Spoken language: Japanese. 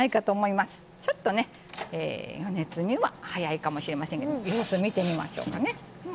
ちょっとね余熱には早いかもしれませんけど様子見てみましょうかね。